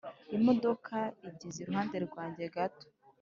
imodoka igeze iruhande rwanjye gato